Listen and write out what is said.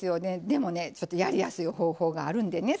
でもねちょっとやりやすい方法があるんでね